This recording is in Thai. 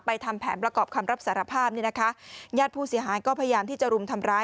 ทำแผนประกอบคำรับสารภาพนี่นะคะญาติผู้เสียหายก็พยายามที่จะรุมทำร้าย